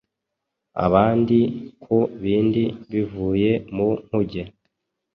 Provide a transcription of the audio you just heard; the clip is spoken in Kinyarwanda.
abandi ku bindi bivuye mu nkuge.